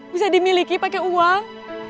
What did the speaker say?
bisa dimiliki pake uang